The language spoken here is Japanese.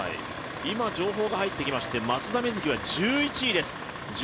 今、情報が入ってきまして松田瑞生は１１位です。